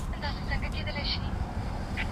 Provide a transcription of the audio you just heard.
تاسو په ښه خلکو کي کوم صفت ډېر خوښوئ؟